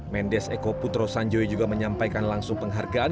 mendes eko putro sanjoyo juga menyampaikan langsung penghargaan